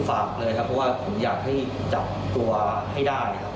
ฝากเลยครับเพราะว่าผมอยากให้จับตัวให้ได้ครับ